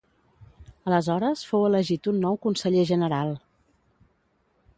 Aleshores fou elegit un nou conseller general.